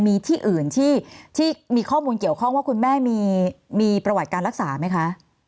มีที่อื่นที่มีข้อมูลเกี่ยวข้องว่าคุณแม่มีประวัติการรักษาไหมคะ